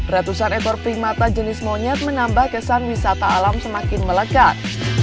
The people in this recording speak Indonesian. ratusan ekor primata jenis monyet menambah kesan wisata alam semakin melekat